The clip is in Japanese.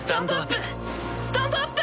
スタンドアップ！